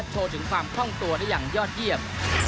โชว์ถึงความคล่องตัวได้อย่างยอดเยี่ยม